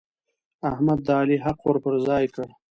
احمد د علي حق ور پر ځای کړ.